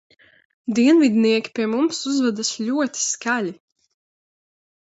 Dienvidnieki pie mums uzvedas ļoti skaļi.